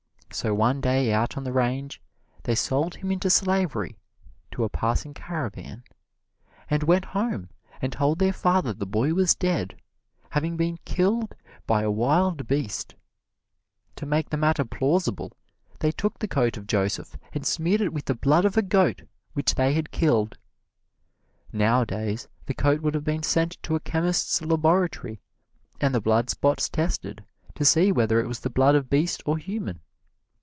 So one day out on the range they sold him into slavery to a passing caravan, and went home and told their father the boy was dead, having been killed by a wild beast. To make the matter plausible they took the coat of Joseph and smeared it with the blood of a goat which they had killed. Nowadays, the coat would have been sent to a chemist's laboratory and the blood spots tested to see whether it was the blood of beast or human.